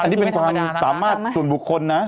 อันนี้เป็นความสามารถส่วนบุคคลนะ